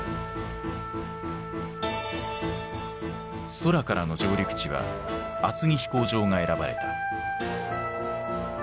空からの上陸地は厚木飛行場が選ばれた。